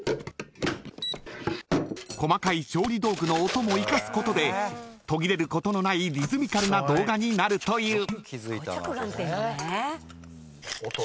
［細かい調理道具の音も生かすことで途切れることのないリズミカルな動画になるという］